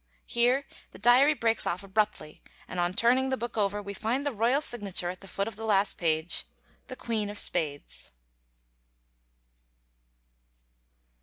[Here the diary breaks off abruptly, and on turning the book over we find the royal signature at the foot of the last page, "The Queen of Spades."